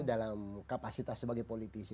dalam kapasitas sebagai politisi